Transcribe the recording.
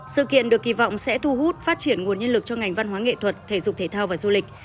sự kiện được kỳ vọng sẽ thu hút phát triển nguồn nhân lực cho ngành văn hóa nghệ thuật thể dục thể thao và du lịch